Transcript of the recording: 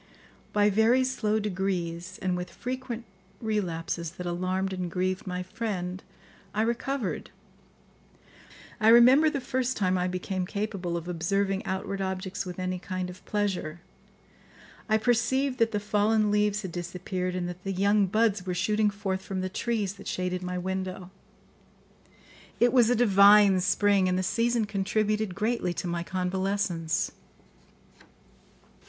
By very slow degrees, and with frequent relapses that alarmed and grieved my friend, I recovered. I remember the first time I became capable of observing outward objects with any kind of pleasure, I perceived that the fallen leaves had disappeared and that the young buds were shooting forth from the trees that shaded my window. It was a divine spring, and the season contributed greatly to my convalescence.